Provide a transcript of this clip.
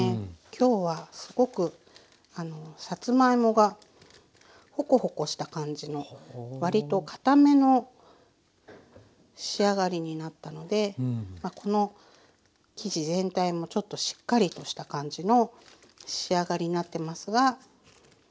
今日はすごくさつまいもがホコホコした感じの割りとかための仕上がりになったのでこの生地全体もちょっとしっかりとした感じの仕上がりになってますが。